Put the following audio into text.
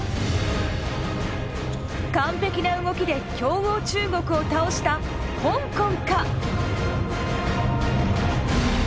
完璧な動きで強豪中国を倒した香港か？